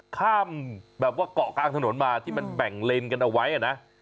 ข้ามแบบว่าเกาะกลางถนนมาที่มันแบ่งเลนกันเอาไว้นะ